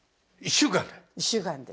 １週間で？